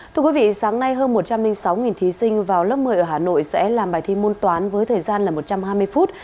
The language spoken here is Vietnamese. thưa quý vị sáng nay hơn một trăm linh sáu thí sinh vào lớp một mươi ở hà nội sẽ làm bài thi môn toán với thời gian là một trăm hai mươi phút